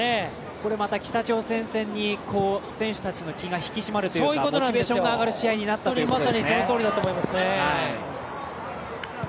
これまた北朝鮮戦に選手たちの気が引き締まるというかモチベーションが上がる試合になりましたね。